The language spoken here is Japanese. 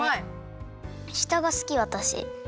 したがすきわたし。